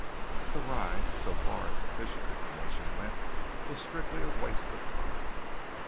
The ride, so far as official information went, was strictly a waste of time.